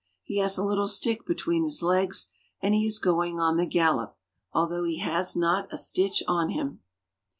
He has a little stick be tween his legs, and he is going on the gallop, al though he has not a stitch on him.